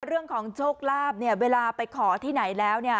เรื่องของโชคลาภเนี่ยเวลาไปขอที่ไหนแล้วเนี่ย